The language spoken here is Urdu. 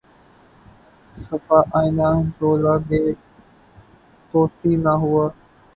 صفحۂ آئنہ جولاں گہ طوطی نہ ہوا